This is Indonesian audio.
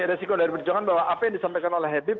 jadi resiko dari perjuangan bahwa apa yang disampaikan oleh habib